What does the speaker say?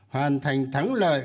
hoàn thành thắng lợi